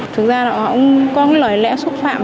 thực ra là họ cũng có lời lẽ xúc phạm